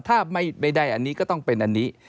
ถ้าไม่ได้อันนี้ก็ต้องเป็นอันนี้